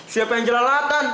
siapa yang jelalatan